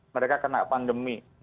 mereka kena pandemi